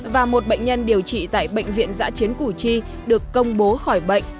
và một bệnh nhân điều trị tại bệnh viện giã chiến củ chi được công bố khỏi bệnh